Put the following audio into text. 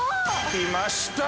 ◆来ました。